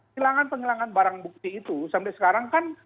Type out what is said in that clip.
hilangan penghilangan barang bukti itu sampai sekarang kan